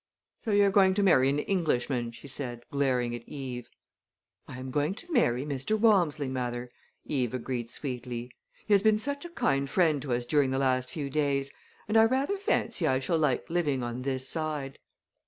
"So you're going to marry an Englishman," she said, glaring at Eve. "I am going to marry Mr. Walmsley, mother," Eve agreed sweetly. "He has been such a kind friend to us during the last few days and I rather fancy I shall like living on this side."